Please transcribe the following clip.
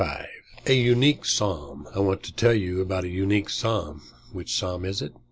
"_ A UNIQUE PSALM I want to tell you about a unique Psalm. Which Psalm is it?